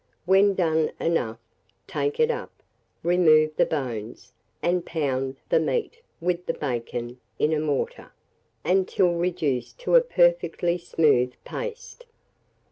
When done enough, take it up, remove the bones, and pound the meat, with the bacon, in a mortar, until reduced to a perfectly smooth paste.